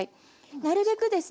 なるべくですね